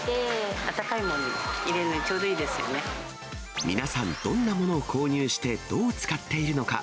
温かいものに入れるのに、皆さん、どんなものを購入して、どう使っているのか。